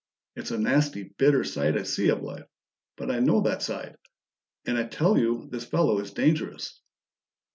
It's a nasty, bitter side I see of life, but I know that side and I tell you this fellow is dangerous!"